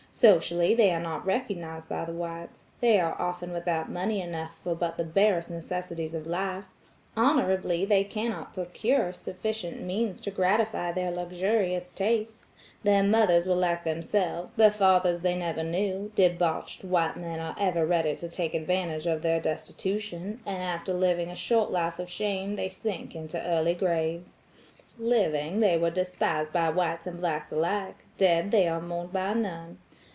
Socially, they are not recognized by the whites; they are often without money enough for but the barest necessities of life; honorably, they cannot procure sufficient means to gratify their luxurious tastes; their mothers were like themselves; their fathers they never knew; debauched whitemen are ever ready to take advantage of their destitution, and after living a short life of shame, they sink into early graves. Living, they were despised by whites and blacks alike; dead, they are mourned by none.